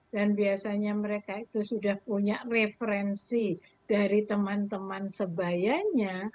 dan biasanya mereka itu sudah punya referensi dari teman teman sebayanya